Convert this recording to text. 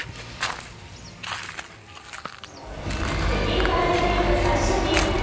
北京パラリンピック最終日。